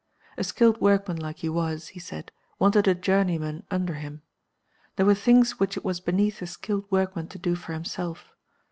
A skilled workman like he was (he said) wanted a journeyman under him. There were things which it was beneath a skilled workman to do for himself.